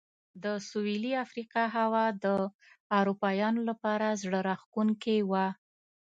د سوېلي افریقا هوا د اروپایانو لپاره زړه راښکونکې وه.